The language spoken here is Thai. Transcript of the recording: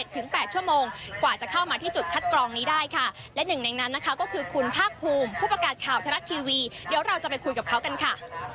ทั้งหมดเขาประมาณกี่ชั่วโมงค่ะ